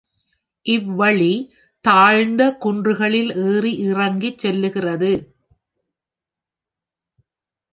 இவ்வழி தாழ்ந்த குன்றுகளில் ஏறி இறங்கிச் செல்லுகிறது.